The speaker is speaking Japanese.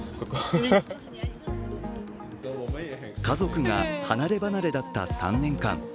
家族が離ればなれだった３年間。